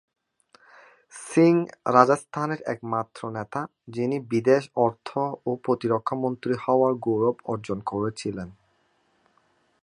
সিং রাজস্থানের একমাত্র নেতা যিনি বিদেশ, অর্থ ও প্রতিরক্ষা মন্ত্রী হওয়ার গৌরব অর্জন করেছিলেন।